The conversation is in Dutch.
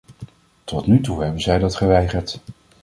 Tot nu toe hebben zij dat geweigerd.